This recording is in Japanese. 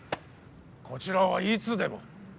こちらはいつでも。